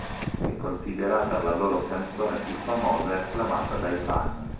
È considerata la loro canzone più famosa e acclamata dai fan.